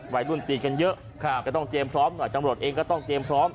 วัยรุ่นตีกันเยอะครับก็ต้องเจมส์พร้อมหน่อยจำลดเองก็ต้องเจมส์พร้อม